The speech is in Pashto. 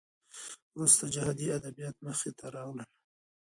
وروسته جهادي ادبیات مخې ته راغلل.